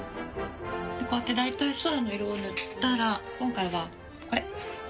こうやって大体空の色を塗ったら今回はこれ。